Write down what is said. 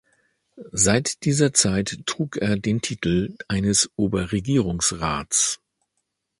Seit dieser Zeit trug er den Titel eines Oberregierungsrats.